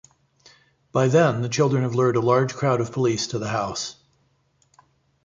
By then, the children have lured a large crowd of police to the house.